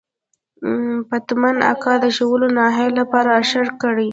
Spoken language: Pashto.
پتمن اکا د شولو نهال لپاره اشر کړی.